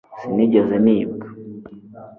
Sinigeze nibwa